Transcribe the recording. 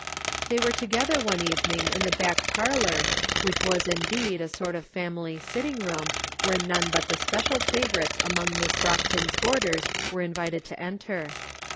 They were together one evening in the back parlor, which was indeed a sort of family sitting room, where none but the special favorites among Miss Brockton's boarders were invited to enter.